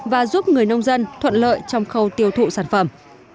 và giúp người nông dân thuận lợi trong khâu tiêu thụ sản phẩm